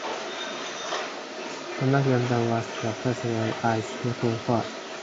The marking is done when the patient is sitting up with eyes looking forward.